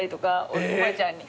おばあちゃんに？